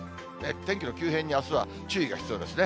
天気の急変に、あすは注意が必要ですね。